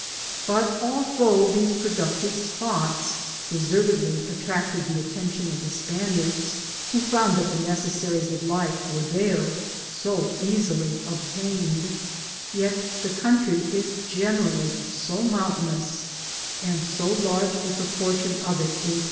But although these productive spots deservedly attracted the attention of the Spaniards, who found that the necessaries of life were there so easily obtained, yet the country is generally so Digitized byGoogk ^ EL BRONCE DE PETORCA. ^S mountainous, and so large a proportion of it is.